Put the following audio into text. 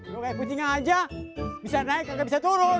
lu kayak kucing aja bisa naik gak bisa turun